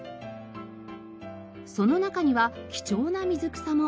その中には貴重な水草も。